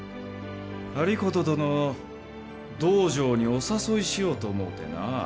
有功殿を道場にお誘いしようと思うてな。